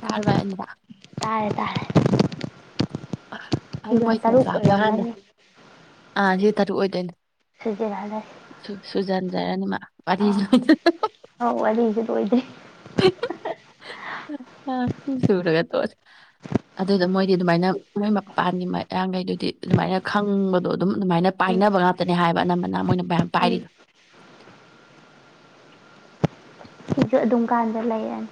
ꯇꯥꯔꯕ꯭ꯔꯥ ꯑꯔꯅꯤꯚꯥ ꯇꯥꯔꯦ ꯇꯥꯔꯦ [unintelligible] ꯁꯤꯒ ꯇꯔꯨꯛ ꯑꯣꯏꯔꯝꯒꯅꯤ ꯇꯔꯨꯛ ꯑꯣꯏꯗꯣꯏꯅꯤ ꯁꯨꯖꯤꯜ ꯍꯜꯂꯁꯤ ꯁꯨ ꯁꯨꯖꯟꯖꯔꯅꯤ ꯃꯥ ꯑꯥ ꯋꯥꯔꯤꯗꯣ ꯑꯧ ꯋꯥꯔꯤꯁꯨ ꯂꯣꯏꯗ꯭ꯔꯤ [unintelligible] ꯑꯗꯨꯗ ꯃꯣꯏꯗꯤ ꯑꯗꯨꯃꯥꯏꯅ ꯃꯣꯏ ꯃꯄꯥꯟꯒꯤ ꯃꯌꯥꯡꯒꯩꯗꯨꯗꯤ ꯑꯗꯨꯃꯥꯏꯅ ꯈꯪꯕꯗꯣ ꯑꯗꯨꯝ ꯑꯗꯨꯃꯥꯏꯅ ꯎꯝ ꯄꯥꯏꯅꯕ ꯉꯥꯛꯇꯅꯦ ꯍꯥꯏꯕ ꯑꯅꯝꯕꯅ ꯃꯣꯏꯅ ꯃꯌꯥꯝ ꯎꯝ ꯄꯥꯏꯔꯤꯗꯣ ꯁꯤꯁꯨ ꯑꯗꯨꯝ ꯀꯥꯟꯗ ꯂꯩꯔꯅꯤ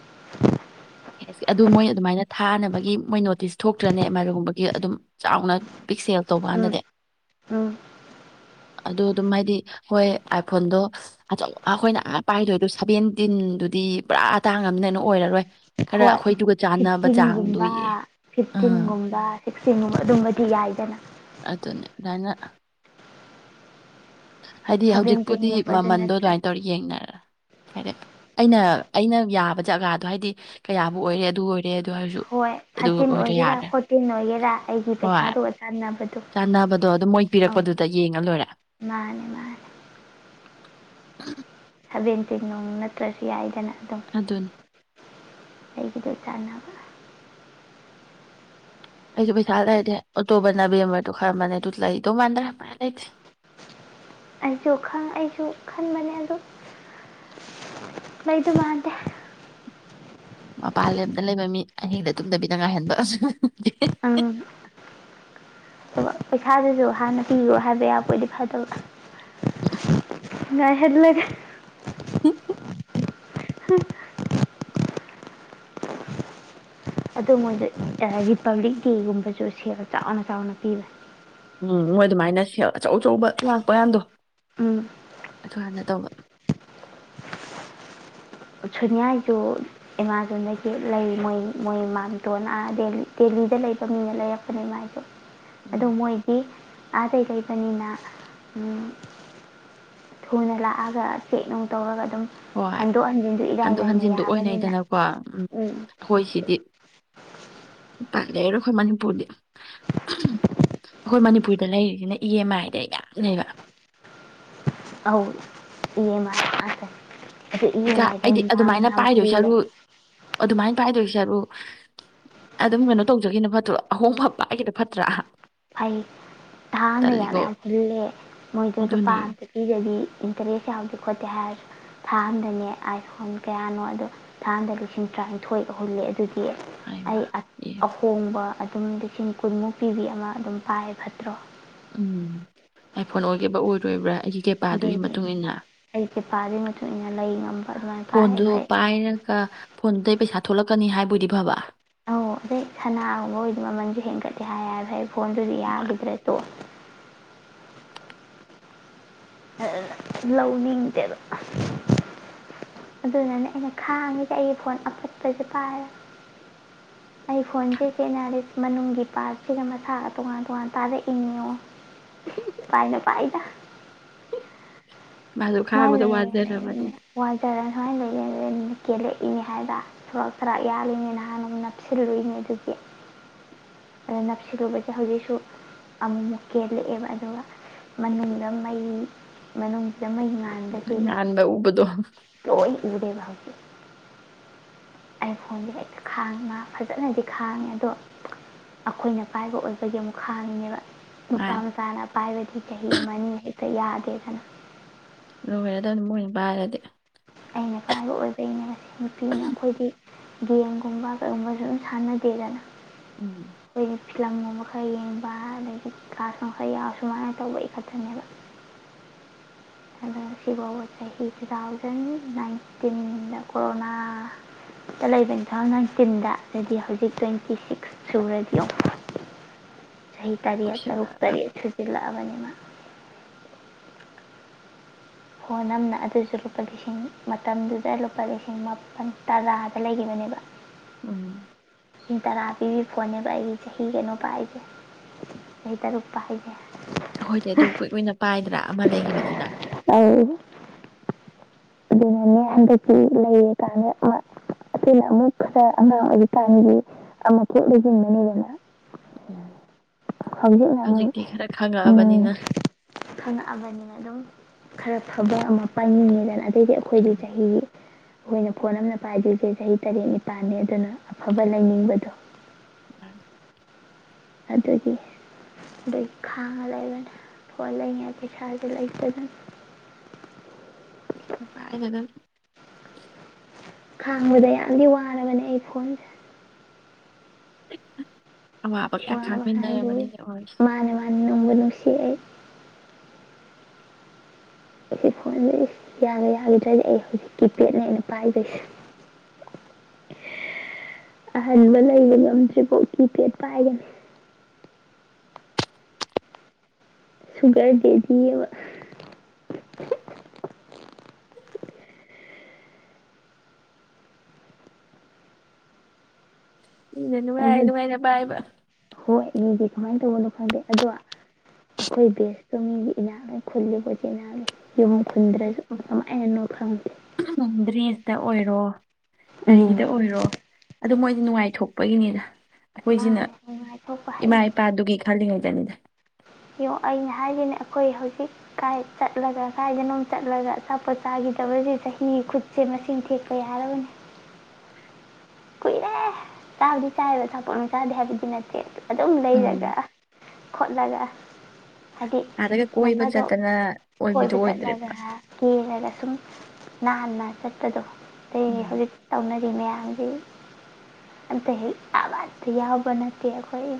ꯁꯤ ꯑꯗꯨ ꯃꯣꯏ ꯑꯗꯨꯃꯥꯏꯅ ꯊꯥꯅꯕꯒꯤ ꯃꯣꯏ ꯅꯣꯇꯤꯁ ꯊꯣꯛꯇ꯭ꯔꯅꯦ ꯑꯃꯥꯖꯣꯟꯒꯨꯝꯕꯒꯤ ꯑꯗꯨꯝ ꯆꯥꯎꯅ ꯕꯤꯛ ꯁꯦꯜ ꯇꯧꯕ ꯎꯝ ꯀꯥꯟꯗꯗꯤ ꯎꯝ ꯑꯗꯣ ꯑꯗꯨꯝ ꯍꯥꯏꯗꯤ ꯍꯣꯏ ꯑꯥꯏꯐꯣꯟꯗꯣ ꯑꯆꯧ ꯑꯩꯈꯣꯏꯅ ꯑꯥ ꯄꯥꯏꯗꯣꯏꯗꯣ ꯁꯚꯦꯟꯇꯤꯟꯗꯨꯗꯤ ꯄꯨꯔꯥ ꯇꯥꯡꯉꯅꯤꯅ ꯑꯣꯏꯔꯔꯣꯏ ꯈꯔ ꯍꯣꯏ ꯑꯩꯈꯣꯏꯗꯨꯒ ꯆꯥꯟꯅꯕ ꯆꯥꯡꯗꯣ ꯐꯤꯐꯇꯤꯟꯒꯨꯝꯕ ꯌꯦꯡ ꯑꯥ ꯐꯤꯐꯇꯤꯟꯒꯨꯝꯕ ꯁꯤꯛꯁꯇꯤꯟꯒꯨꯝꯕ ꯑꯗꯨꯝꯕꯗꯤ ꯌꯥꯏꯗꯅ ꯑꯗꯨꯅꯦ ꯑꯗꯨꯃꯥꯏꯅ ꯍꯥꯏꯗꯤ ꯍꯧꯖꯤꯛꯄꯨꯗꯤ ꯁꯚꯦꯟꯇꯤꯟꯒꯨꯝꯕꯗꯨ ꯃꯃꯟꯗꯣ ꯑꯗꯨꯃꯥꯏ ꯅꯠꯇ꯭ꯔꯁꯨ ꯇꯧꯔ ꯌꯦꯡꯅꯔꯦ ꯍꯥꯏꯗꯤ ꯑꯩꯅ ꯑꯩꯅ ꯌꯥꯕ ꯖꯒꯥꯗꯣ ꯍꯥꯏꯗꯤ ꯀꯌꯥꯕꯨ ꯑꯣꯏꯔꯦ ꯑꯗꯨ ꯑꯣꯏꯔ ꯍꯣꯏ ꯊꯥꯔꯇꯤꯟ ꯑꯣꯏꯒꯦꯔ ꯐꯣꯔꯇꯤꯟ ꯑꯣꯏꯒꯦꯔ ꯑꯩꯒꯤ ꯄꯩꯁꯥꯗꯨꯒ ꯆꯥꯟꯅꯕ ꯆꯥꯅꯕꯗꯣ ꯑꯗꯨꯝ ꯃꯣꯏ ꯄꯤꯔꯛꯄꯗꯨꯗ ꯌꯦꯡꯉ ꯂꯣꯏꯔꯦ ꯃꯥꯅꯦ ꯃꯥꯅꯦ ꯁꯚꯦꯟꯇꯤꯟ ꯅꯨꯡ ꯅꯠꯇ꯭ꯔꯁꯨ ꯌꯥꯏꯗꯅ ꯑꯗꯨꯝ ꯑꯗꯨꯅꯤ ꯑꯩꯒꯤꯗꯣ ꯆꯥꯟꯅꯕ ꯑꯩꯖꯨ ꯄꯩꯁꯥ ꯂꯩꯔꯗꯤ ꯑꯣꯛꯇꯣꯚꯔ ꯅꯕꯦꯝꯚꯔꯗꯣ ꯈꯟꯕꯅꯦ ꯑꯗꯣ ꯂꯩ [unintelligible] ꯑꯩꯁꯨ ꯈꯟ ꯑꯩꯁꯨ ꯈꯟꯕꯅꯦ ꯑꯗꯣ ꯂꯩꯗꯧ ꯃꯥꯟꯗꯦ ꯃꯄꯥꯟꯂꯝꯗ ꯂꯩꯕ ꯃꯤ ꯑꯍꯤꯡꯗ ꯇꯨꯝꯗꯕꯤꯗ ꯉꯥꯏꯍꯟꯕ ꯑꯁ ꯑꯝ ꯍꯣꯏ ꯄꯩꯁꯥꯁꯤꯁꯨ ꯍꯥꯟꯅ ꯄꯤꯌꯨ ꯍꯥꯏꯕ ꯌꯥꯕꯣꯏꯗꯤ ꯐꯗꯧꯕ ꯎꯝ ꯉꯥꯏꯍꯜꯂꯒ ꯍꯤ ꯍꯝ ꯍꯝ ꯑꯗꯣ ꯃꯣꯏꯗꯣ ꯔꯤꯄꯕ꯭ꯂꯤꯛ ꯗꯦꯒꯨꯝꯕꯁꯨ ꯁꯦꯜ ꯆꯥꯎꯅ ꯆꯥꯎꯅ ꯄꯤꯕꯅꯦ ꯎꯝ ꯃꯣꯏ ꯑꯗꯨꯃꯥꯏꯅ ꯁꯦꯜ ꯑꯆꯧ ꯑꯆꯧꯕ ꯂꯥꯛꯄ ꯌꯥꯝꯗꯣ ꯎꯝ ꯑꯗꯨ ꯍꯥꯟꯅ ꯇꯧꯕ ꯁꯨꯅꯤꯌꯥꯏꯖꯨ ꯑꯦꯃꯥꯖꯣꯟꯗꯒꯤ ꯂꯩ ꯃꯣꯏ ꯃꯣꯏ ꯃꯥꯝꯇꯣꯟꯅ ꯑꯍ ꯗꯦꯜꯂꯤ ꯗꯦꯜꯂꯤꯗ ꯂꯩꯕ ꯃꯤꯅ ꯂꯩꯔꯛꯄꯅꯦ ꯃꯥꯏꯖꯨ ꯎꯝ ꯑꯗꯣ ꯃꯣꯏꯗꯤ ꯑꯥꯗꯩ ꯂꯩꯕꯅꯤꯅ ꯎꯝ ꯊꯨꯅ ꯂꯥꯛꯑꯒ ꯆꯦꯛ ꯅꯨꯡ ꯇꯧꯔꯒ ꯗꯨꯝ ꯍꯣꯏ ꯍꯟꯗꯣꯛ ꯍꯟꯖꯤꯟ ꯍꯟꯗꯣꯛ ꯍꯟꯖꯤꯟꯗꯣ ꯑꯣꯏꯅꯩꯗꯅꯀꯣ ꯎꯝ ꯍꯣꯏ ꯁꯤꯗꯤ ꯄꯥꯛ ꯂꯩꯔꯣꯏ ꯑꯩꯈꯣꯏ ꯃꯅꯤꯄꯨꯔꯗꯤ ꯑꯍꯝ ꯑꯩꯈꯣꯏ ꯃꯅꯤꯄꯨꯔꯗ ꯂꯩꯔꯤꯁꯤꯅ ꯏ ꯑꯦꯝ ꯑꯥꯏꯗ ꯌꯥꯝ ꯂꯩꯕ ꯑꯎ ꯏ ꯑꯦꯝ ꯑꯥꯏ ꯀꯥꯁꯦ ꯏꯀꯥ ꯑꯩꯗꯤ ꯑꯗꯨꯃꯥꯏꯅ ꯄꯥꯏꯗꯣꯏꯁꯔꯨꯛ ꯑꯗꯨꯃꯥꯏꯅ ꯄꯥꯏꯗꯣꯏ ꯁꯔꯨꯛ ꯑꯗꯨꯝ ꯀꯩꯅꯣ ꯇꯧꯖꯈꯤꯕꯅ ꯐꯠꯇ꯭ꯔꯣ ꯑꯍꯣꯡꯕ ꯄꯥꯏꯈꯤꯕꯅ ꯐꯠꯇ꯭ꯔꯥ ꯐꯩ ꯅꯍꯥꯟꯅ ꯌꯥꯝ ꯇꯜꯂꯤꯀꯣ ꯌꯥꯝ ꯍꯨꯜꯂꯦ ꯃꯣꯏꯗ ꯂꯨꯄꯥ ꯑꯗꯨꯅꯦ ꯑꯝꯇ ꯄꯤꯗꯗꯤ ꯏꯟꯇꯔꯦꯁ ꯌꯥꯎꯗꯦ ꯈꯣꯠꯇꯦ ꯍꯥꯏꯔꯁꯨ ꯊꯥ ꯑꯃꯗꯅꯦ ꯑꯥꯏ ꯐꯣꯟ ꯀꯌꯥꯅꯣ ꯑꯗꯣ ꯊꯥ ꯑꯃꯗ ꯂꯤꯁꯤꯡ ꯇꯔꯥꯅꯤꯊꯣꯏ ꯍꯨꯜꯂꯦ ꯑꯗꯨꯗꯤ ꯗꯤ ꯑꯩ ꯍꯥꯏꯃ ꯑꯁ ꯑꯦ ꯑꯍꯣꯡꯕ ꯑ ꯗꯨꯝ ꯂꯤꯁꯤꯡ ꯀꯨꯟꯃꯨꯛ ꯄꯤꯕꯤ ꯑꯃ ꯑꯗꯨꯝ ꯄꯥꯏ ꯐꯠꯇ꯭ꯔꯣ ꯎꯝ ꯑꯥꯏ ꯐꯣꯟ ꯑꯣꯏꯒꯦꯕ ꯑꯣꯏꯔꯣꯏꯕ꯭ꯔꯥ ꯑꯩꯒꯤ ꯀꯦꯄꯥꯗꯨꯒꯤ ꯑꯗꯨꯅꯤ ꯃꯇꯨꯡꯏꯟꯅ ꯑꯩ ꯄꯩꯄꯥꯗꯨꯒꯤ ꯃꯇꯨꯡ ꯏꯟꯅ ꯂꯩ ꯉꯝꯕ ꯑꯗꯨꯃꯥꯏꯅ ꯄꯥꯏ ꯐꯣꯟꯗꯣ ꯐꯩ ꯄꯥꯏꯔꯒ ꯐꯣꯟꯗꯩ ꯄꯩꯁꯥ ꯊꯣꯛꯂꯛꯀꯅꯤ ꯍꯥꯏꯕꯣꯏꯗꯤ ꯐꯕ ꯑꯎ ꯑꯗꯩ ꯁꯅꯥꯒꯨꯝꯕ ꯑꯣꯏꯗꯤ ꯃꯃꯟꯖꯨ ꯍꯦꯟꯒꯠꯂꯤ ꯍꯥꯏ ꯍꯥꯏꯕ ꯐꯣꯟꯗꯨꯗꯤ ꯌꯥꯒꯤꯗ꯭ꯔꯦ ꯇꯣꯛꯑꯣ ꯑꯦ ꯂꯧꯅꯤꯡꯗꯦꯗ ꯑꯗꯨꯅꯅꯦ ꯑꯩꯅ ꯈꯥꯡꯉꯤꯁꯦ ꯑꯩꯒꯤ ꯐꯣꯟ ꯑꯄꯠꯄꯁꯦ ꯄꯥꯏꯔꯒ ꯑꯩ ꯐꯣꯟꯁꯦ ꯆꯦ ꯑꯦꯅꯥꯂꯤꯁ ꯃꯅꯨꯡꯒꯤ ꯄꯥꯔꯠꯁꯤꯒ ꯃꯁꯥꯒ ꯇꯣꯉꯥꯟ ꯇꯣꯉꯥꯟ ꯇꯥꯔꯛꯑꯦ ꯏꯅꯣ ꯄꯥꯏꯅ ꯄꯥꯏꯗ ꯃꯥꯁꯨ ꯈꯥꯡꯕꯗ ꯃꯥꯟꯅꯦ ꯂꯩꯔꯤꯅꯦ ꯋꯥꯖꯔꯕꯅꯤꯅ ꯋꯥꯖꯔꯅꯦ ꯁꯨꯃꯥꯏꯅ ꯂꯩꯑꯦ ꯑꯗꯨ ꯀꯦꯜꯂꯛꯏꯅꯦ ꯍꯥꯏꯕ ꯊꯔꯥꯛ ꯊꯔꯥꯛ ꯌꯥꯜꯂꯤꯅꯤ ꯅꯍꯥꯟ ꯅꯣꯡꯃ ꯅꯞꯁꯤꯜꯂꯨꯏꯅꯦ ꯑꯗꯨꯒꯤ ꯑꯗ ꯅꯞꯁꯤꯜꯂꯨꯕꯁꯦ ꯍꯧꯖꯤꯛꯁꯨ ꯑꯃꯨꯛꯃꯨꯛ ꯀꯦꯜꯂꯛꯑꯦꯕ ꯑꯗꯨꯒ ꯃꯅꯨꯡꯗ ꯃꯩ ꯃꯅꯨꯡꯁꯤꯗ ꯃꯩ ꯉꯥꯜ ꯅꯍꯥꯟꯗꯒꯤ ꯉꯥꯟꯕ ꯎꯕꯗꯣ ꯂꯣꯏ ꯎꯔꯦꯕ ꯍꯧ [inaudible] ꯑꯩ ꯐꯣꯟꯗꯣ ꯍꯦꯛꯇ ꯈꯥꯡꯉꯦ ꯐꯖꯅꯗꯤ ꯈꯥꯡꯉꯦ ꯑꯗꯣ ꯑꯩꯈꯣꯏꯅ ꯄꯥꯏꯕ ꯑꯣꯏꯕꯒꯤ ꯑꯃꯨꯛ ꯈꯥꯡꯉꯤꯅꯦꯕ ꯅꯨꯄꯥ ꯃꯥꯅꯦ ꯃꯆꯥꯥꯅ ꯄꯥꯏꯕꯗꯤ ꯆꯍꯤ ꯑꯃꯅꯤ ꯍꯦꯛ ꯇ ꯌꯥꯗꯦꯗꯅ ꯂꯣꯏꯔꯗꯕꯅꯤ ꯃꯣꯏꯅ ꯄꯥꯏꯔꯗꯤ ꯑꯩꯅ ꯄꯥꯏꯕ ꯑꯣꯏꯕꯩꯅꯦ ꯃꯁꯤ ꯅꯨꯄꯤꯅ ꯑꯩꯈꯣꯏꯗꯤ ꯒꯦꯝ ꯒꯨꯝꯕ ꯀꯩꯒꯨꯝꯕꯁꯨ ꯑꯗꯨꯝ ꯁꯥꯟꯅꯗꯦꯗꯅ ꯎꯝ ꯑꯩꯈꯣꯏꯗꯤ ꯐꯤꯂꯝꯒꯨꯝꯕ ꯈꯔ ꯌꯦꯡꯕ ꯑꯗꯒꯤ ꯀ꯭ꯂꯥꯁꯅꯨꯡ ꯈꯔ ꯌꯥꯎ ꯁꯨꯃꯥꯏꯅ ꯇꯧꯕ ꯑꯩꯈꯛꯇꯅꯦꯕ ꯑꯗꯣ ꯁꯤꯕꯥꯎꯕ ꯆꯍꯤ ꯇꯨ ꯊꯥꯎꯖꯟ ꯅꯥꯏꯟꯇꯤꯟꯗ ꯀꯣꯔꯣꯅꯥꯗ ꯂꯩꯕ ꯇꯨ ꯊꯥꯎꯖꯟ ꯅꯥꯏꯟꯇꯤꯟꯗ ꯑꯗꯨꯗꯤ ꯍꯧꯖꯤꯛ ꯇ꯭ꯋꯦꯟꯇꯤ ꯁꯤꯛꯁ ꯁꯨꯔꯗꯤꯌꯣ ꯆꯍꯤ ꯇꯔꯦꯠ ꯇꯔꯨꯛ ꯀꯨꯏꯁꯜꯂꯛꯑꯕ ꯇꯔꯦꯠ ꯁꯨꯖꯤꯜꯂꯛꯑꯕꯅꯦꯕ ꯐꯣꯟ ꯑꯃꯅ ꯑꯗꯨꯁꯨ ꯂꯨꯄꯥ ꯂꯤꯁꯤꯡ ꯃꯇꯝꯗꯨꯗ ꯂꯨꯄꯥ ꯂꯤꯁꯤꯡ ꯃꯥꯄꯟ ꯇꯔꯥꯗ ꯂꯩꯒꯤꯕꯅꯦꯕ ꯎꯝ ꯂꯤꯁꯤꯡ ꯇꯔꯥ ꯄꯤꯕ ꯐꯣꯟꯅꯦꯕ ꯑꯩꯒꯤ ꯆꯍꯤ ꯀꯅꯣ ꯄꯥꯏꯁꯦ ꯑꯩꯁꯦ ꯆꯍꯤ ꯇꯔꯨꯛ ꯄꯥꯏꯁꯦ ꯑꯩꯈꯣꯏꯗꯤ ꯑꯗꯨꯝ ꯀꯨꯏ ꯀꯨꯏꯅ ꯄꯥꯏꯗ꯭ꯔ ꯑꯃ ꯂꯩꯒꯤꯕꯖꯤꯅ ꯑꯗꯨꯅꯅꯦ ꯍꯟꯗꯛꯀꯤ ꯂꯩꯔꯀꯥꯟꯗ ꯑꯃ ꯑꯩꯈꯣꯏꯅ ꯑꯃꯨꯛ ꯈꯔ ꯑꯉꯥꯡ ꯑꯣꯏꯔꯤꯀꯥꯟꯒꯤ ꯑꯃꯐꯨꯛ ꯂꯩꯁꯤꯟꯕꯅꯤꯗꯅ ꯎꯝ ꯍꯧꯖꯤꯛꯅ ꯑꯃꯨꯛ ꯍꯧꯖꯤꯛꯇꯤ ꯈꯔ ꯎꯝ ꯈꯪꯉꯛꯑꯕꯅꯤꯅ ꯈꯪꯉꯛꯑꯕꯅꯤꯅ ꯑꯗꯨꯝ ꯈꯔ ꯐꯕ ꯑꯃ ꯄꯥꯏꯅꯤꯡꯉꯤꯗꯅ ꯑꯗꯩꯗꯤ ꯑꯩꯈꯣꯏꯗꯤ ꯎꯝ ꯆꯍꯤ ꯑꯩꯈꯣꯏꯅ ꯐꯣꯟ ꯑꯃꯅ ꯄꯥꯏꯗ꯭ꯣꯏꯁꯦ ꯆꯍꯤ ꯇꯔꯦꯠ ꯅꯤꯄꯥꯟꯅꯦ ꯑꯗꯨꯅ ꯑꯐꯕ ꯂꯩꯅꯤꯡꯕꯗꯣ ꯑꯗꯨꯗꯤ ꯑꯗꯩ ꯈꯥꯡꯉ ꯂꯩꯕꯅꯤ ꯐꯣꯟ ꯂꯩꯅꯉꯥꯏ ꯄꯩꯁꯥ ꯂꯩꯇꯗꯅ [unintelligible] ꯈꯥꯡꯕꯗ ꯌꯥꯝꯗꯤ ꯋꯥꯔꯕꯅꯦ ꯑꯩ ꯐꯣꯟꯁꯦ ꯑꯋꯥꯕ ꯀꯌꯥ ꯋꯥꯕ ꯍꯥꯏꯕꯨ ꯈꯥꯃꯤꯟꯅꯔꯕꯅꯤꯅꯦ ꯑꯣꯏꯁꯦ ꯃꯥꯅꯦ ꯃꯥꯅꯦ ꯅꯨꯡꯕꯨ ꯅꯨꯡꯁꯤ ꯑꯩ ꯁꯤ ꯐꯣꯟꯖꯦ ꯌꯥꯒ ꯌꯥꯒꯤꯗ꯭ꯔꯗꯤ ꯑꯩ ꯍꯧꯖꯤꯛ ꯀꯤꯄꯦꯗꯅꯦ ꯑꯩꯅ ꯄꯥꯏꯗꯣꯏꯖ ꯑꯍꯟꯕ ꯂꯩꯕ ꯉꯝꯗ꯭ꯔꯤꯕꯣꯎ ꯀꯤꯄꯦꯗ ꯄꯥꯏꯒꯅꯤ ꯁꯨꯒꯔ ꯗꯦꯗꯤ ꯑꯕ ꯃꯤꯅ ꯅꯨꯡꯉꯥꯏ ꯑꯃ ꯅꯨꯡꯉꯥꯏꯅ ꯄꯥꯏꯕ ꯍꯣꯏ ꯃꯤꯗꯤ ꯀꯃꯥꯏ ꯇꯧꯕꯅꯣ ꯈꯪꯗꯦ ꯑꯗꯣ ꯑꯩꯈꯣꯏ ꯕꯦꯁꯇꯣ ꯃꯤꯒꯤ ꯏꯅꯥꯛ ꯈꯨꯜꯂꯤꯕꯣ ꯆꯦ ꯑꯦꯅꯥ ꯌꯨꯝ ꯈꯨꯟꯗ꯭ꯔꯁꯨ ꯀꯃꯥꯏꯅꯅꯣ ꯈꯪꯗꯦ ꯎꯝ ꯗ꯭ꯔꯦꯁꯇ ꯑꯣꯏꯔꯣ ꯎꯝ ꯀꯔꯤꯒꯤꯗ ꯑꯣꯏꯔꯣ ꯑꯗꯣ ꯃꯣꯏꯗꯤ ꯅꯨꯡꯉꯥꯏꯊꯣꯛꯄꯒꯤꯅꯤꯗ ꯑꯩꯈꯣꯏꯖꯤꯅ ꯃꯥꯅ ꯅꯨꯡꯉꯥꯏꯊꯣꯛꯄ ꯏꯃꯥ ꯏꯄꯥꯗꯨꯒꯤ ꯈꯜꯂꯤꯉꯩ [unintelligible] ꯌꯣ ꯑꯩꯅ ꯍꯥꯏꯖꯤꯅꯤ ꯑꯩꯈꯣꯏ ꯍꯧꯖꯤꯛ ꯀꯥꯏ ꯆꯠꯂꯒ ꯀꯥꯏꯗꯅꯣꯝ ꯆꯠꯂꯒ ꯑꯆꯥꯄꯣꯠ ꯆꯥꯈꯤꯗꯕꯁꯤ ꯆꯍꯤ ꯈꯨꯠꯁꯦ ꯃꯁꯤꯡ ꯊꯦꯛꯄ ꯌꯥꯔꯕꯅꯤ ꯀꯨꯏꯔꯦ ꯆꯥꯕꯗꯤ ꯆꯥꯏꯕ ꯑꯆꯥꯄꯣꯠ ꯑꯣꯢ ꯆꯥꯗꯦ ꯍꯥꯏꯕꯗꯤ ꯅꯠꯇꯦ ꯑꯗꯨ ꯑꯗꯨꯝ ꯂꯩꯔꯒ ꯎꯝ ꯈꯣꯠꯂꯒ ꯍꯥꯏꯗꯤ ꯑꯥꯗꯒ ꯅꯣꯡ ꯀꯣꯏꯕ ꯐꯥꯗꯣꯛ ꯆꯠꯇꯅ ꯑꯣꯏꯕꯤꯗꯣ ꯀꯣꯏꯕ ꯆꯠꯂꯒ ꯑꯣꯏꯗ꯭ꯔꯦꯕ ꯀꯦꯔꯒ ꯁꯨꯝ ꯅꯥꯟꯅ ꯆꯠꯄꯗꯣ ꯎꯝ ꯑꯇꯩ ꯍꯧꯖꯤꯛ ꯇꯧꯅꯔꯤ ꯃꯌꯥꯝꯖꯤ ꯑꯝꯇ ꯍꯦꯛ ꯑꯃꯠꯇ ꯌꯥꯎꯕ ꯅꯠꯇꯦ ꯑꯩꯈꯣꯏ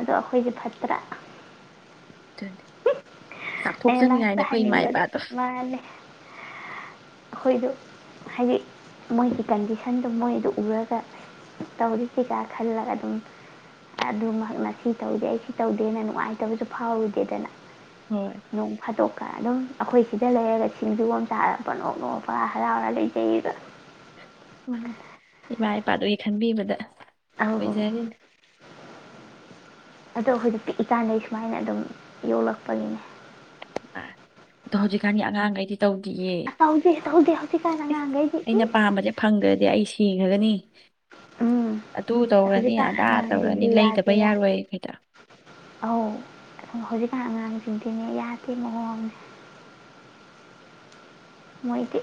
ꯑꯗꯣ ꯑꯩꯈꯣꯏꯖꯦ ꯐꯠꯇ꯭ꯔꯥ ꯑꯗꯨꯅꯤ ꯑꯩꯅ ꯆꯥꯎꯊꯣꯛꯆꯅꯤꯡꯉꯥꯏꯅꯦ ꯂꯥꯁꯇ ꯑꯩꯈꯣꯏ ꯏꯃꯥ ꯍꯥꯏꯅꯤꯡꯕꯗꯤ ꯏꯄꯥꯗꯣ ꯑꯩꯈꯣꯏꯗꯨ ꯍꯥꯏꯗꯤ ꯃꯣꯏꯒꯤ ꯀꯟꯗꯤꯁꯟꯗ ꯃꯣꯢꯗꯣ ꯎꯔꯒ ꯇꯧꯔꯤ ꯁꯤ ꯀ ꯈꯜꯂꯒ ꯑꯗꯨꯝ ꯑꯗꯨꯃꯍꯥꯛꯅ ꯁꯤ ꯇꯧꯗꯦ ꯑꯩ ꯁꯤ ꯇꯧꯗꯦꯅ ꯅꯨꯡꯉꯥꯏꯇꯕꯁꯨ ꯐꯥꯎꯗꯦꯗꯅ ꯍꯣꯏ ꯅꯣꯡ ꯐꯥꯗꯣꯛꯀ ꯑꯗꯨꯝ ꯑꯩꯈꯣꯏ ꯁꯤꯗ ꯂꯩꯔꯒ ꯁꯤꯡꯖꯨ ꯑꯃ ꯆꯥꯔꯒ ꯄꯪꯅꯣꯛ ꯅꯣꯛꯑ ꯄꯥꯍꯥ ꯍꯔꯥꯎꯔꯒ ꯂꯩꯖꯩꯌꯦꯕ ꯃꯥꯟꯅꯤ ꯏꯃꯥ ꯏꯄꯥꯗꯨꯒꯤ ꯈꯟꯕꯤꯕꯗ ꯑꯧ ꯑꯣꯏꯖꯔꯤꯅꯦ ꯑꯗꯣ ꯑꯩꯈꯣꯏꯗ ꯄꯤꯛꯏꯀꯥꯟꯗꯒꯤ ꯁꯨꯃꯥꯏꯅ ꯑꯗꯨꯝ ꯌꯣꯛꯂꯛꯄꯒꯤꯅꯦ ꯑ ꯑꯗꯣ ꯍꯧꯖꯤꯛꯀꯥꯟꯗꯤ ꯑꯉꯥꯡꯒꯩꯖ ꯇꯧꯗꯤꯌꯦ ꯇꯧꯗꯦ ꯇꯧꯗꯦ ꯍꯧꯖꯤꯛꯀꯥꯟ ꯏꯁ ꯑꯉꯥꯡꯈꯩꯗꯤ ꯑꯩꯅ ꯏꯁ ꯄꯥꯝꯕꯁꯥꯖꯦ ꯐꯪꯗ꯭ꯔꯗꯤ ꯑꯩ ꯁꯤꯒ꯭ꯔꯒꯅꯤ ꯎꯝ ꯑꯗꯨ ꯇꯧꯔꯅꯤ ꯍꯧꯖꯤꯛꯀꯥꯟ ꯑꯗꯥ ꯇꯧꯔꯅꯤ ꯑꯉꯥꯡꯁꯤꯡꯗꯤ ꯂꯩꯗꯕ ꯌꯥꯗꯦ ꯌꯥꯗꯦ ꯌꯥꯔꯣꯏ ꯉꯩꯗ ꯖꯤꯡꯗꯤꯅꯦ ꯌꯥꯗꯦ ꯃꯑꯣꯡꯖꯦ ꯃꯣꯏꯗꯤ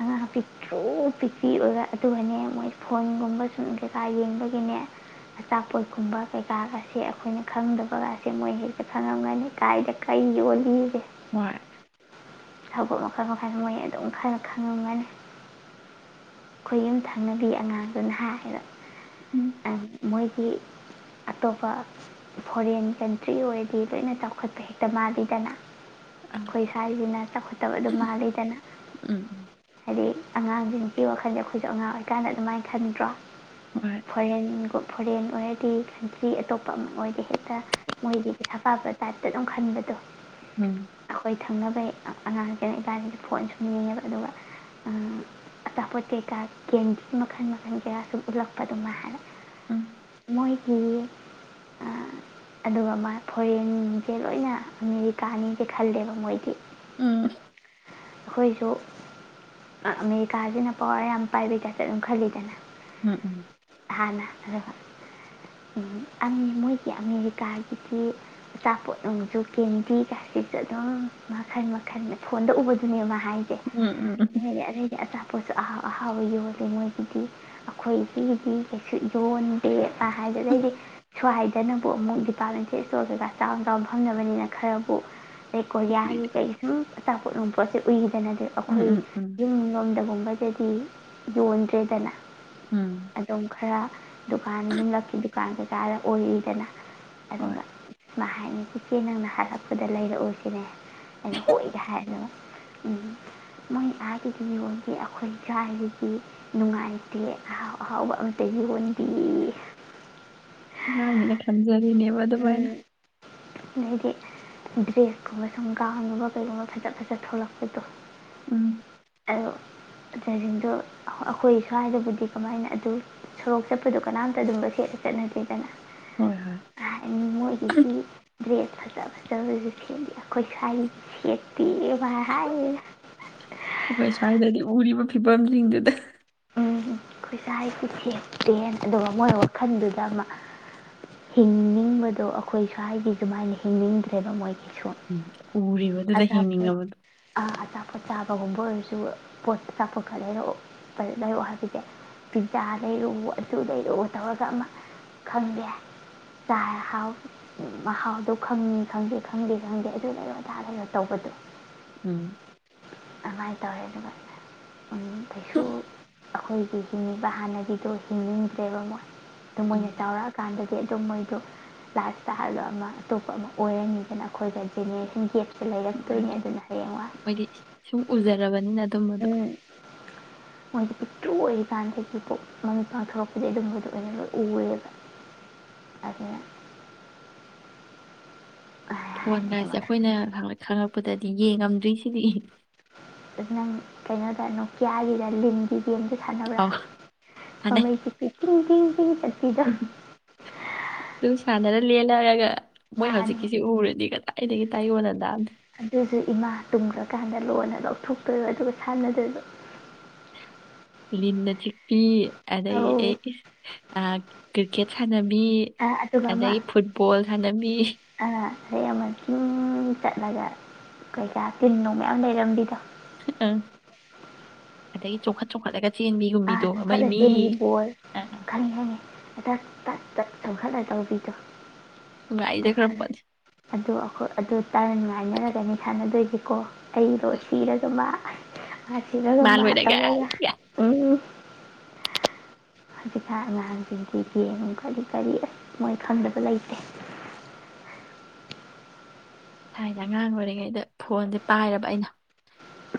ꯑꯉꯥꯡ ꯄꯤꯛꯇ꯭ꯔꯨ ꯄꯤꯛꯄꯤ ꯑꯣꯏꯕ ꯑꯗꯨꯒꯅꯦ ꯃꯣꯏ ꯐꯣꯟꯒꯨꯝꯕ ꯁꯨꯝ ꯀꯩꯀꯥ ꯌꯦꯡꯕꯒꯤꯅꯦ ꯑꯆꯥꯄꯣꯠꯀꯨꯝꯕ ꯀꯩꯀꯥꯒꯁꯦ ꯑꯩꯈꯣꯏꯅ ꯈꯪꯗꯕꯒꯥꯁꯦ ꯃꯣꯏ ꯍꯦꯛꯇ ꯈꯪꯉꯝꯒꯅꯤ ꯀꯥꯏꯗ ꯀꯩ ꯌꯣꯜꯂꯤꯒꯦ ꯋꯥꯏ ꯊꯕꯛ ꯃꯈꯜ ꯃꯈꯜ ꯃꯣꯏ ꯑꯗꯨꯝ ꯈꯔ ꯈꯪꯉꯝꯃꯅꯤ ꯈꯣꯏ ꯌꯨꯝ ꯊꯪꯅꯕꯤ ꯑꯉꯥꯡꯗꯨꯅ ꯍꯥꯏꯕ ꯎꯝ ꯃꯣꯏꯒꯤ ꯑꯇꯣꯞꯄ ꯐꯣꯔꯦꯟ ꯀꯟꯇ꯭ꯔꯤ ꯑꯣꯏꯔꯗꯤ ꯂꯣꯏꯅ ꯆꯥꯎꯈꯠꯄ ꯍꯦꯛꯇ ꯃꯥꯜꯂꯤꯗꯅ ꯑ ꯈꯣꯏ ꯁꯥꯏꯖꯤꯅ ꯆꯥꯎꯈꯠꯇꯕ ꯑꯗꯨꯝ ꯃꯥꯜꯂꯤꯗꯅ ꯎꯝ ꯍꯥꯏꯗꯤ ꯑꯉꯥꯡꯖꯤꯡ ꯁꯤ ꯋꯥꯈꯜꯖꯦ ꯑꯩꯈꯣꯏꯖꯨ ꯑꯉꯥꯡ ꯑꯣꯏꯀꯥꯟꯗ ꯑꯗꯨꯃꯥꯏ ꯈꯟꯗ꯭ꯔꯣ ꯎꯝ ꯍꯣꯏ ꯐꯣꯔꯦꯟꯒꯨ ꯐꯣꯔꯦꯟ ꯑꯣꯏꯔꯗꯤ ꯀꯟꯇ꯭ꯔꯤ ꯑꯇꯣꯞꯄ ꯑꯃ ꯑꯣꯏꯔꯗꯤ ꯍꯦꯛꯇ ꯃꯣꯏꯗꯤ ꯄꯩꯁꯥ ꯄꯥꯏꯕ ꯇꯥꯏꯞꯇ ꯑꯗꯨꯝ ꯈꯟꯕꯗꯣ ꯎꯝ ꯑꯩꯈꯣꯏ ꯊꯪꯅꯕꯩ ꯑꯉꯥꯡ ꯒꯩꯅ ꯏꯕꯥꯅꯤ ꯐꯣꯟ ꯁꯨꯝ ꯌꯦꯡꯉꯦꯕ ꯑꯗꯨꯒ ꯑꯥ ꯑꯆꯥꯄꯣꯠ ꯀꯩꯀꯥ ꯀꯦꯟꯗꯤ ꯃꯈꯟ ꯃꯈꯟ ꯀꯌꯥ ꯁꯨꯝ ꯎꯠꯂꯛꯄꯗꯣ ꯃꯥ ꯍꯥꯏꯕ ꯎꯝ ꯃꯣꯏꯒꯤ ꯑꯥ ꯑꯗꯨꯒ ꯃꯥ ꯐꯣꯔꯦꯟꯖꯦ ꯂꯣꯏꯅ ꯑꯃꯦꯔꯤꯀꯥꯅꯦꯖꯦ ꯈꯜꯂꯦꯕ ꯃꯣꯏꯗꯤ ꯎꯝ ꯈꯣꯏꯖꯨ ꯑꯥ ꯑꯃꯦ ꯀꯥꯖꯤꯅ ꯄꯋꯥꯔ ꯌꯥꯝ ꯄꯥꯏꯕꯩ ꯇꯥꯏꯞꯇ ꯑꯗꯨꯝ ꯈꯜꯂꯤꯗꯅ ꯎꯝ ꯎꯝ ꯍꯥꯟꯅ ꯈꯔ ꯎꯝ ꯑꯪ ꯃꯣꯏꯒꯤ ꯑꯃꯦꯔꯤꯀꯥꯒꯤꯗꯤ ꯑꯆꯥꯄꯣꯠ ꯅꯨꯡꯖꯨ ꯀꯦꯟꯗꯤꯒꯥꯁꯤꯁꯨ ꯑꯗꯨꯝ ꯃꯈꯟ ꯃꯈꯟ ꯐꯣꯟꯗ ꯎꯕꯗꯨꯅꯦꯕꯥ ꯍꯥꯏꯒꯦ ꯎꯝ ꯎꯝ ꯎꯝ ꯎꯝ ꯎꯝ ꯑꯩꯅꯅꯦ ꯑꯗꯨꯏ ꯄꯣꯠꯖꯨ ꯑꯍꯥꯎ ꯑꯍꯥꯎꯕ ꯌꯣꯜꯂꯤ ꯃꯣꯏꯒꯤꯗꯤ ꯑꯩꯈꯣꯏꯒꯤꯗꯤ ꯀꯩꯁꯨ ꯌꯣꯟꯗꯦ ꯀꯥ ꯍꯥꯏꯕ ꯗꯩꯗꯤ ꯁ꯭ꯋꯥꯏꯗꯅꯕꯨ ꯑꯃꯨꯛ ꯗꯤꯄꯥꯔꯠꯃꯦꯟꯇꯦꯜ ꯏꯁꯇꯣꯔ ꯀꯩꯀꯥ ꯆꯥꯎꯅ ꯆꯥꯎꯅ ꯐꯝꯅꯕꯅꯤꯅ ꯈꯔꯕꯨ ꯑꯗꯩ ꯀꯣꯔꯤꯌꯥꯒꯤ ꯀꯩꯖꯨ ꯑꯆꯥꯄꯣꯠ ꯌꯣꯝ ꯄꯣꯠꯁꯦ ꯎꯏꯗꯅ ꯑꯩꯈꯣꯏ ꯎꯝ ꯌꯨꯝ ꯗꯒꯨꯝꯕꯗꯗꯤ ꯌꯣꯟꯗ꯭ꯔꯦꯗꯅ ꯎꯝ ꯑꯗꯨꯝ ꯈꯔ ꯗꯨꯀꯥꯟ ꯌꯨꯝꯂꯛꯀꯤ ꯗꯨ ꯀꯥꯡ ꯀꯩꯀꯥꯗ ꯑꯣꯏꯔꯤꯗꯅ ꯍꯣꯏ ꯑꯗꯨꯒ ꯃꯥ ꯍꯥꯏꯅꯦ ꯏꯆꯦ ꯅꯪꯅ ꯍꯜꯂꯛꯄꯗ ꯂꯩꯔꯛꯎ ꯁꯤꯅꯦ ꯑꯩꯅ ꯍꯣꯏꯗ ꯍꯥꯏ ꯗꯨꯒ ꯎꯝ ꯃꯣꯏ ꯑꯥꯒꯤ ꯌꯣꯟꯗꯦ ꯑꯩꯈꯣꯏ ꯁꯥꯏꯖꯤꯗꯤ ꯅꯨꯡꯉꯥꯏꯇꯦ ꯑꯍꯥꯎ ꯑꯍꯥꯎꯕ ꯑꯝꯇ ꯌꯣꯟꯗꯦꯌꯦ ꯑꯉꯥꯡꯅꯤꯅꯦ ꯈꯟꯖꯔꯤꯅꯦꯕ ꯑꯗꯨꯃꯥꯏꯅ ꯑꯗꯩꯗꯤ ꯗ꯭ꯔꯦꯁꯀꯨꯝꯕ ꯁꯨꯝ ꯒꯥꯎꯟꯒꯨꯝꯕ ꯀꯩꯒꯨꯝꯕ ꯐꯖ ꯐꯖꯕ ꯊꯣꯛꯂꯛꯄꯗꯣ ꯎꯝ ꯑꯗꯣ ꯖꯤꯡꯗꯣ ꯑꯩꯈꯣꯏ ꯁ꯭ꯋꯥꯏꯗꯕꯨꯗꯤ ꯀꯃꯥꯏꯅ ꯑꯗꯨ ꯁꯣꯔꯣꯛ ꯆꯠꯄꯗꯣ ꯀꯅꯥꯝꯇ ꯑꯗꯨꯝꯕ ꯁꯦꯠꯂ ꯆꯠꯅꯗꯦꯗꯅ ꯍꯣꯏ ꯍꯣꯏ ꯃꯣꯏꯒꯤꯒꯤ ꯗ꯭ꯔꯦꯁ ꯐꯖ ꯐꯖꯕꯖꯨ ꯁꯦꯠꯂꯤ ꯑꯩꯈꯣꯏ ꯁ꯭ꯋꯥꯏ ꯁꯦꯠꯇꯦꯕ ꯍꯥꯏꯌꯦ ꯑꯩꯈꯣꯏ ꯁ꯭ꯋꯥꯏꯗꯗꯤ ꯎꯔꯤꯕ ꯐꯤꯕꯝꯖꯤꯡꯗꯨꯗ ꯑꯩꯈꯣꯏ ꯁ꯭ꯋꯥꯏꯖꯤ ꯁꯦꯠꯇꯦ ꯑꯗꯨꯒ ꯃꯣꯏ ꯋꯥꯈꯟꯗꯨꯗ ꯑꯃ ꯍꯤꯡꯅꯤꯡꯕꯗꯣ ꯑꯩꯈꯣꯏ ꯁ꯭ꯋꯥꯏꯗꯤ ꯗꯨꯃꯥꯏꯅ ꯍꯤꯡꯅꯤꯡꯗ꯭ꯔꯦꯕ ꯃꯣꯏ ꯎꯝ ꯎꯔꯤꯕꯗꯨꯗ ꯍꯤꯡꯅꯤꯡꯉꯕꯗꯣ ꯄꯣꯠ ꯆꯥꯕꯒꯨꯝꯕ ꯑꯣꯏꯔꯖꯨ ꯄꯣꯠ ꯆꯥꯄꯣꯠ ꯈꯔ ꯂꯩꯔꯛꯑꯣ ꯄ ꯂꯩꯔꯛꯑꯣ ꯍꯥꯏꯕꯖꯦ ꯄꯤꯖꯥ ꯂꯩꯔꯛꯎ ꯑꯗꯨ ꯂꯩꯔꯛꯎ ꯇꯧꯔꯒ ꯑꯃ ꯈꯪꯗꯦ ꯆꯥꯔ ꯍꯥꯎ ꯃꯍꯥꯎꯗꯣ ꯈꯪꯉꯤ ꯈꯪꯗꯦ ꯈꯪꯗꯦ ꯈꯪꯗꯦ ꯑꯗꯨ ꯂꯩꯔꯣ ꯑꯗꯥ ꯂꯩꯔꯣ ꯇꯧꯕꯗꯣ ꯎꯝ ꯀꯃꯥꯏꯅ ꯇꯧꯔꯦ ꯑꯗꯨꯒ [unintelligible] ꯑꯩꯈꯪꯏꯒꯤ ꯍꯤꯡꯕ ꯍꯥꯟꯅꯒꯤꯗꯨ ꯍꯤꯡꯅꯤꯡꯗ꯭ꯔꯦꯕ ꯃꯣꯏ ꯑꯗꯨ ꯎꯝ ꯃꯣꯏꯅ ꯆꯥꯎꯕꯔꯛ ꯑꯥ ꯀꯟꯗꯗꯤ ꯑꯗꯨ ꯃꯣꯏꯗꯣ ꯂꯥꯏꯁꯇ ꯍꯥꯏꯕ ꯑꯃ ꯑꯇꯣꯞꯄ ꯑꯃ ꯑꯣꯏꯔꯅꯤꯗꯅ ꯑꯩꯈꯣꯏꯒ ꯖꯦꯅꯦꯔꯦꯁꯟ ꯒꯄ ꯃꯣꯏꯗꯤ ꯁꯨꯝ ꯎꯖꯔꯕꯅꯤꯅ ꯑꯗꯨꯝꯕꯗꯨꯣ ꯃꯣꯏꯗꯤ ꯄꯤꯛꯇ꯭ꯔꯨ ꯑꯣꯏꯔꯤꯀꯥꯟꯗꯤ ꯄꯣ ꯃꯃꯤꯠ ꯄꯥꯡꯊꯣꯔꯛꯄꯖꯦ ꯑꯗꯨꯝꯕꯗ ꯑꯣꯔꯦꯕ ꯎꯔꯦꯕ ꯑꯗꯨꯅ ꯐꯣꯟꯒꯥꯏꯁꯦ ꯑꯗꯨꯃꯥꯏꯅ ꯑꯩꯈꯣꯏꯅ ꯈꯪꯉꯛ ꯈꯪꯉꯛꯄꯗꯗꯤ ꯌꯦꯡꯉꯝꯗꯣꯏꯁꯦ [unintelligible] ꯑꯗꯨ ꯅꯪ ꯀꯩꯅꯣꯗ ꯅꯣꯀꯤꯌꯥꯒꯤꯗ ꯂꯤꯟꯒꯤ ꯑꯥꯎ ꯁꯥꯟꯅꯩ [unintelligible] ꯑꯗꯨꯝ [unintelligible] ꯃꯣꯏ ꯃꯥꯅꯤ ꯍꯧꯖꯤꯛꯀꯤꯁꯤ ꯎꯔꯗꯤ ꯀꯥꯟ ꯈꯋ ꯇꯥꯏꯑꯦꯟ [unintelligible] ꯑꯗꯨꯁꯨ ꯏꯃꯥ ꯇꯨꯝꯈ꯭ꯔꯀꯥꯟꯗ ꯂꯣꯟꯅ ꯂꯧꯊꯣꯛꯇꯣꯏꯕꯥ ꯑꯗꯨꯒ ꯁꯥꯟꯅꯗꯣꯏꯕ ꯂꯤꯟꯅ ꯆꯤꯛ ꯄꯤ ꯑꯗꯒꯤ ꯑꯦ ꯑꯧ ꯏ ꯑꯥ ꯀ꯭ꯔꯤꯛꯀꯦꯠ ꯁꯥꯟꯅꯕꯤ ꯑꯥ ꯑꯗꯨꯒ ꯑꯃ ꯑꯗꯒꯤ ꯐꯨꯠꯕꯣꯜ ꯁꯥꯟꯅꯕꯤ ꯑꯥ ꯑꯗꯩ ꯑꯃ ꯁꯨꯝ ꯆꯠꯂꯒ ꯀꯩꯀꯥ ꯇꯤꯟ ꯅꯨꯡ ꯃꯌꯥꯝ ꯂꯩꯔꯝꯕꯤꯗꯣ ꯑꯪ ꯑꯗꯩ ꯆꯣꯡꯈꯠ- ꯆꯪꯡꯈꯠꯂꯒꯥ ꯑꯥ ꯆꯣꯡꯈꯠꯂꯒ ꯆꯦꯟꯈꯤꯕꯣꯏ ꯑ ꯀꯔꯤꯅꯣꯅꯦ [unintelligible] [unintelligible] ꯇꯧꯕꯤꯗꯣ ꯅꯨꯡꯉꯥꯏꯖꯦ ꯈꯔ ꯄꯣꯠꯅꯤ [unintelligible] ꯑꯗꯨ ꯑꯈꯣꯏ ꯐꯗꯣ ꯇ꯭ꯔꯟ ꯉꯥꯏꯅꯔꯒꯅꯦ ꯁꯥꯟꯅ ꯗꯣꯏ ꯀꯣ ꯑꯩꯗꯣ ꯁꯤꯔꯁꯨ ꯃꯥ ꯃꯥ ꯂꯣꯏꯔꯒ ꯑꯩ ꯒ [unintelligible] [unintelligible] ꯍꯧꯖꯤꯛꯀꯥꯟ ꯑꯉꯥꯡꯁꯤꯡꯁꯤꯗꯤ ꯀꯔꯤ ꯀꯔꯤ ꯑꯁ ꯄꯣꯏ ꯈꯪꯗꯕ ꯂꯩꯇꯦ ꯊꯥꯏꯅ ꯑꯉꯥꯡ ꯑꯣꯏꯔꯤꯉꯩꯗ ꯐꯣꯟꯁꯦ ꯄꯥꯏꯔꯕ ꯑꯩꯅ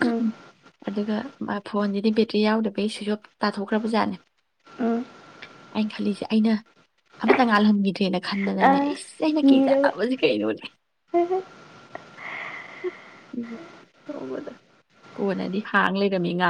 ꯎꯝ ꯑꯗꯨꯒ ꯃꯥ ꯐꯣꯟꯁꯤꯗꯤ ꯕꯦ ꯇꯔꯤ ꯌꯥꯎꯗꯕꯩ ꯁꯨꯏꯁꯖꯪꯞ ꯇꯥꯊꯣꯛꯈꯔꯥꯕ ꯖꯥꯠꯅꯦ ꯎꯝ ꯑꯩ ꯈꯟꯂꯤꯁꯦ ꯑꯩꯅ ꯑꯃꯇ ꯉꯥꯜꯍꯟꯈꯤꯗ꯭ꯔꯦꯅ ꯈꯟꯗꯅꯅꯦ ꯑꯥ ꯏꯁ ꯑꯩꯅ ꯀꯤꯔꯕ ꯀꯥꯖꯕꯁꯤ ꯀꯩꯅꯣꯅꯦ ꯍꯦꯍꯦ ꯀꯣꯟꯅꯗꯤ ꯍꯥꯡ ꯂꯥꯩꯔꯝꯃꯦ ꯉꯥ